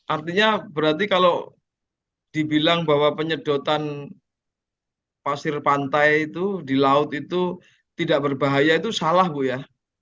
artinya berarti kalau dibilang bahwa penyedotan pasir pantai itu di laut itu tidak berbahaya itu salah bu ya